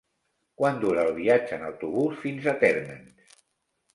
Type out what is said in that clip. Quant dura el viatge en autobús fins a Térmens?